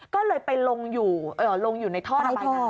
ก็เลยไปลงอยู่เออลงอยู่ในท่อไป